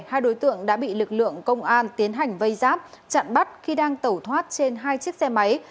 hai đối tượng đã bị lực lượng công an tiến hành vây giáp chặn bắt khi đang tẩu thoát trên hai chiếc xe máy